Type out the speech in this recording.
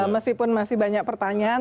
meskipun masih banyak pertanyaan